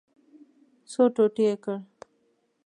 څو ټوټې یې کړ.